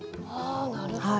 なるほど。